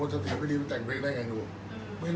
อันไหนที่มันไม่จริงแล้วอาจารย์อยากพูด